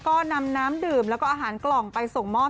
ก็นำน้ำดื่มแล้วก็อาหารกล่องไปส่งมอบ